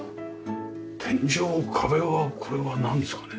天井壁はこれはなんですかね？